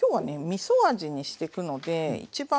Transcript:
みそ味にしてくので一番